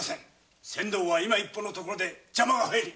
船頭は今一歩のところで邪魔が入り。